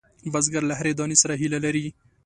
بزګر له هرې دانې سره هیله لري